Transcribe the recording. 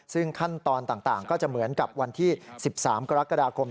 ซึ่งขั้นตอนต่างก็จะเหมือนกับวันที่๑๓กรกฎาคม